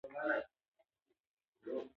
دې ته مې وویل دوی هم زموږ په څېر دي.